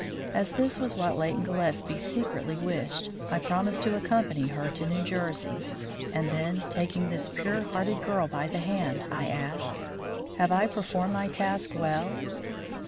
As this was what Leighton Gillespie secretly wished, I promised to accompany her to New Jersey, and then, taking this pure hearted girl by the hand, I asked: "Have I performed my task well?"